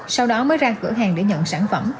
sau đó mới ra cửa hàng để nhận sản phẩm